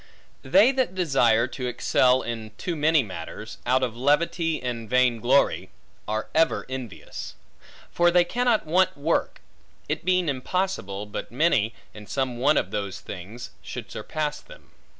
They that desire to excel in too many matters, out of levity and vain glory, are ever envious. For they cannot want work; it being impossible, but many, in some one of those things, should surpass them.